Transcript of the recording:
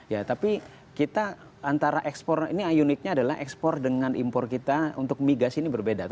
ya tapi kita antara ekspor ini uniknya adalah ekspor dengan impor kita untuk migas ini berbeda